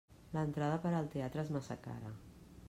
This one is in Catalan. L'entrada per al teatre és massa cara.